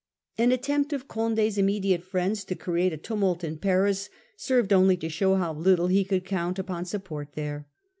* An attempt of Condos immediate friends to create a tumult in Paris served only to show how little he could count upon support there.